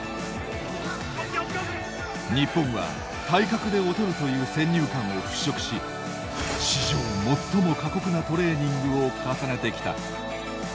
日本は体格で劣るという先入観を払拭し史上、最も過酷なトレーニングを重ねてきた。